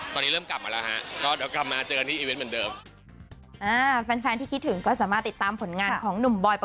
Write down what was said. แต่ก็ตอนนี้เริ่มกลับมาแล้วฮะ